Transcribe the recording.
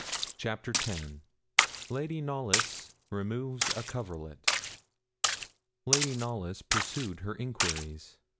CHAPTER X LADY KNOLLYS REMOVES A COVERLET Lady Knollys pursued her enquiries.